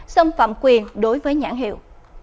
xâm phạm quyền đối với nhãn hiệu